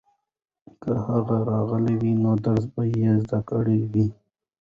که هغه راغلی وای نو درس به یې زده کړی وای.